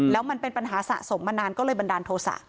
แล้วมันเป็นปัญหาสะสมมานานก็เลยบันดาลโทษะ